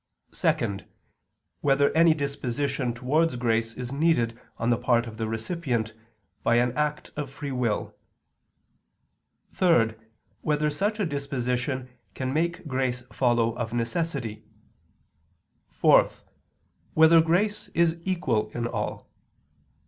(2) Whether any disposition towards grace is needed on the part of the recipient, by an act of free will? (3) Whether such a disposition can make grace follow of necessity? (4) Whether grace is equal in all?